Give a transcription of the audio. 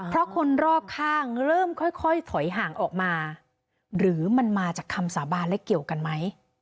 เพราะคนรอบข้างเริ่มค่อยถอยห่างออกมาหรือมันมาจากคำสาบานและเกี่ยวกันไหม